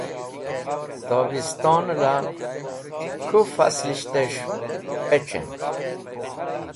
Tobiston la, kũ faslishtes̃h pec̃hen.